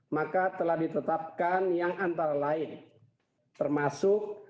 maka telah ditetapkan yang antara lain termasuk